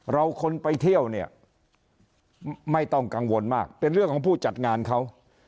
เราคนไปเที่ยวเนี่ยไม่ต้องกังวลมากเป็นเรื่องของผู้จัดงานเขา